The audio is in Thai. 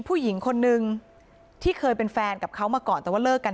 ผู้หญิงคนนึงที่เคยเป็นแฟนกับเขามาก่อนแต่ว่าเลิกกัน